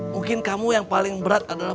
mungkin kamu yang paling berat adalah